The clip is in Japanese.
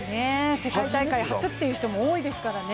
世界大会初って人も多いですからね。